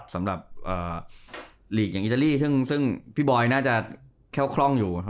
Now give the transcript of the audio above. สำหรับหลีกอย่างอิตาลีซึ่งพี่บอยน่าจะเข้าคล่องอยู่